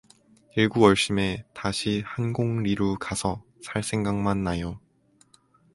일구월심에 다시 한곡리루 가서 살 생각만 나요.